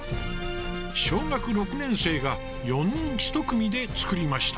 小学６年生が４人１組で作りました。